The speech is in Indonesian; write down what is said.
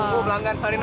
tunggu pelanggan farina